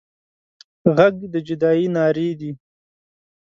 غږ د جدايي نارې دي